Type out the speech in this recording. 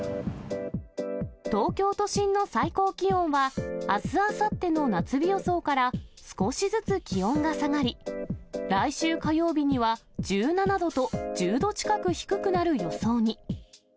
東京都心の最高気温は、あす、あさっての夏日予想から、少しずつ気温が下がり、来週火曜日には１７度と、１０度近く低くなる予想に。